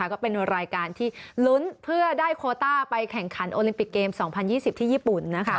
ก็เป็นรายการที่ลุ้นเพื่อได้โคต้าไปแข่งขันโอลิมปิกเกม๒๐๒๐ที่ญี่ปุ่น